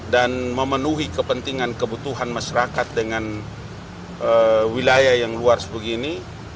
dan memenuhi kepentingan kebutuhan masyarakat dengan wilayah yang luar sebegini